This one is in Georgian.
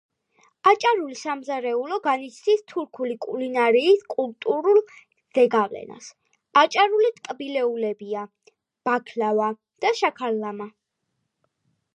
აჭარული სამზარეულო განიცდის თურქული კულინარიის კულტურულ ზეგავლენას. აჭარული ტკბილეულებია: ბაქლავა და შაქარლამა.